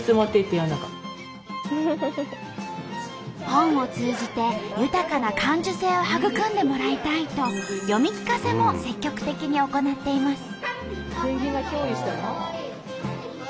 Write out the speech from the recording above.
本を通じて豊かな感受性を育んでもらいたいと読み聞かせも積極的に行っています。